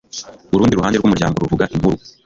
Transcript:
urundi ruhande rwumuryango ruvuga inkuru